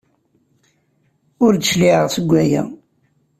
Ur d-cligeɣ seg waya!